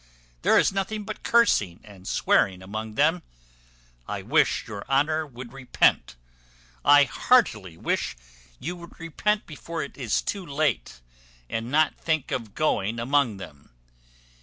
There is nothing but cursing and swearing among them. I wish your honour would repent: I heartily wish you would repent before it is too late; and not think of going among them.